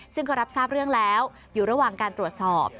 ซึ่งก็รับทราบเรื่องแล้วอยู่ระหว่างการตรวจสอบ